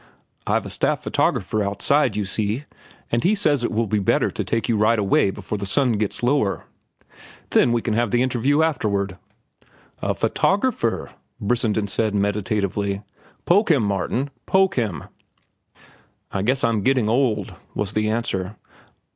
"I've a staff photographer outside, you see, and he says it will be better to take you right away before the sun gets lower. Then we can have the interview afterward." "A photographer," Brissenden said meditatively. "Poke him, Martin! Poke him!" "I guess I'm getting old," was the answer.